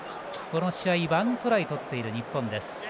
この試合、１トライ取っている日本です。